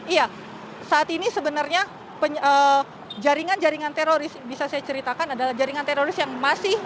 iya saat ini sebenarnya jaringan jaringan teroris bisa saya ceritakan adalah jaringan teroris yang masih